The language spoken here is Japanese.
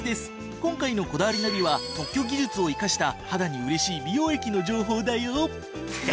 今回の『こだわりナビ』は特許技術を生かした肌に嬉しい美容液の情報だよ。